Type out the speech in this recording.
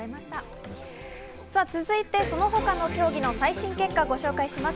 続いてその他の競技の最新結果をご紹介します。